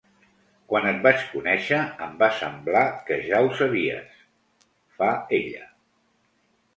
Quan et vaig conèixer em va semblar que ja ho sabies, fa ella.